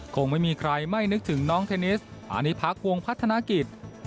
คงไม่มีใครไม่นึกถึงน้องเทนนิสอานิพักวงพัฒนากิจ